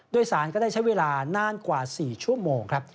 โดยสารก็ได้ใช้เวลานานกว่า๔ชั่วโมงครับ